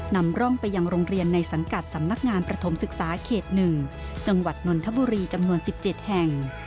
นำร่องไปยังโรงเรียนในสังกัดสำนักงานประถมศึกษาเขต๑จังหวัดนนทบุรีจำนวน๑๗แห่ง